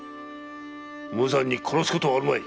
無残に殺すことはあるまい。